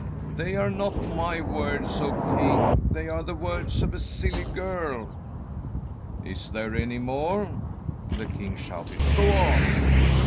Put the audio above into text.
"They are not my words, O King; they are the words of a silly girl." "Is there any more?" the king shouted. "Go on!"